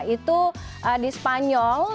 itu di spanyol